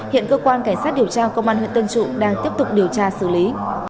hiện cơ quan cảnh sát điều tra công an huyện tân trụ đang tiếp tục điều tra xử lý